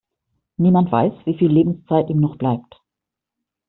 Niemand weiß, wie viel Lebenszeit ihm noch bleibt.